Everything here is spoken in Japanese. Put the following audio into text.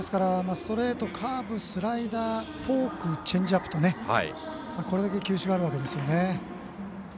ストレート、カーブ、スライダーフォーク、チェンジアップとこれだけ球種があるわけですね。